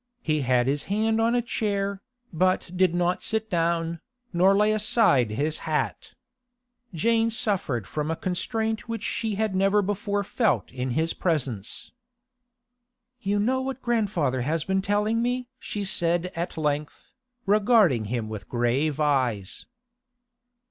He had his hand on a chair, but did not sit down, nor lay aside his hat. Jane suffered from a constraint which she had never before felt in his presence. 'You know what grandfather has been telling me?' she said at length, regarding him with grave eyes.